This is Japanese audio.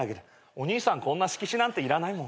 お兄さんこんな色紙なんていらないもん。